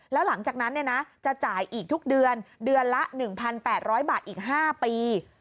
แล้วหลังจากนั้นจะจ่ายอีกทุกเดือนเดือนละ๑๘๐๐บาทอีก๕ปี